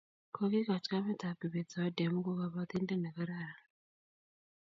Kokikoch kamet ab Kibet zawadi amu ko kabatindet ne kararan